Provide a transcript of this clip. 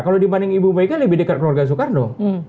kalau dibanding ibu mega lebih dekat keluarga soekarno